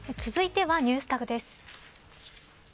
続いてはＮｅｗｓＴａｇです。